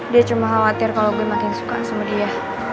dia cuma khawatir kalau gue makin suka sama dia